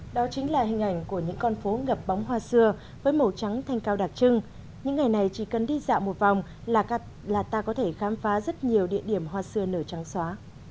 đó chính là hình ảnh của những con phố ngập bóng hoa xưa với màu trắng thanh cao đặc trưng những ngày này chỉ cần đi dạo một vòng là ta có thể khám phá rất nhiều địa điểm hoa xưa nở trắng xóa